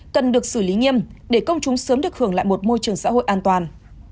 cần được xử lý nghiêm để công chúng sớm được hưởng lại một môi trường xã hội an toàn